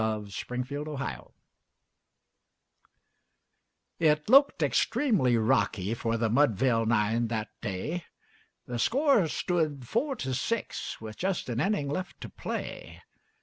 _ CASEY AT THE BAT It looked extremely rocky for the Mudville nine that day, The score stood four to six with but an inning left to play.